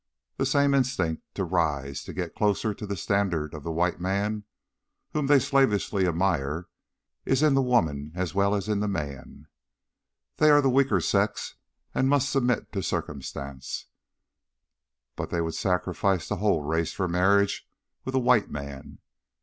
The same instinct to rise, to get closer to the standard of the white man, whom they slavishly admire, is in the women as well as in the men. They are the weaker sex and must submit to Circumstance, but they would sacrifice the whole race for marriage with a white man.